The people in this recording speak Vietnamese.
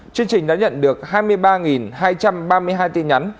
chương trình đã nhận được hai mươi ba hai trăm ba mươi hai tin nhắn